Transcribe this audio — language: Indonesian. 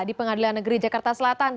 di pengadilan negeri jakarta selatan